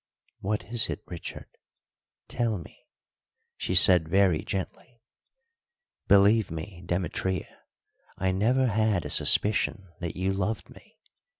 "What is it, Richard, tell me?" she said very gently. "Believe me, Demetria, I never had a suspicion that you loved me.